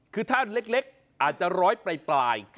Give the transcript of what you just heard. คือถ้าเล็กอาจจะร้อยปลาย